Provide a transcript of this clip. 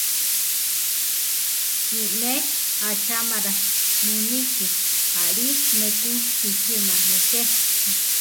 Iʼ ne achámara muníki; aʼlí ne ku sísima nejé.